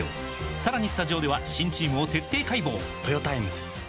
さらにスタジオでは新チームを徹底解剖！